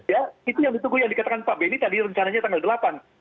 ya itu yang ditunggu yang dikatakan pak benny tadi rencananya tanggal delapan